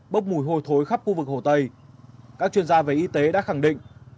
bốc mùi hôi thối khắp khu vực hồ tây các chuyên gia về y tế đã khẳng định